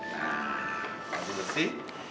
nah habis bersih